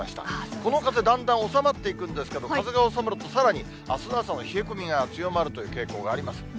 この風、だんだん収まっていくんですけど、風が収まると、さらにあすの朝の冷え込みが強まるという傾向があります。